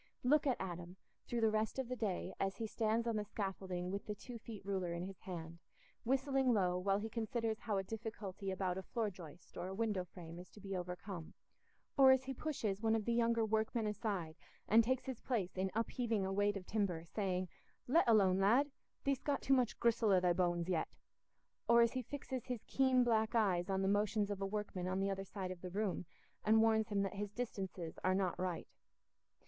Look at Adam through the rest of the day, as he stands on the scaffolding with the two feet ruler in his hand, whistling low while he considers how a difficulty about a floor joist or a window frame is to be overcome; or as he pushes one of the younger workmen aside and takes his place in upheaving a weight of timber, saying, "Let alone, lad! Thee'st got too much gristle i' thy bones yet"; or as he fixes his keen black eyes on the motions of a workman on the other side of the room and warns him that his distances are not right.